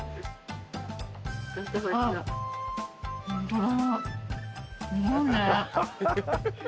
ホントだ。